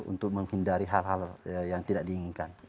untuk menghindari hal hal yang tidak diinginkan